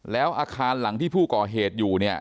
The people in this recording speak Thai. แล้วอาคารหลังที่ผู้ก่อเหตุอยู่เนี่ย